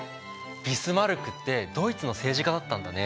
ビスマルクってドイツの政治家だったんだね。